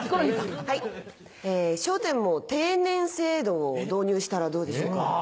『笑点』も定年制度を導入したらどうでしょうか。